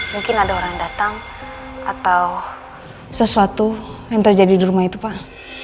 mungkin ada orang datang atau sesuatu yang terjadi di rumah itu pak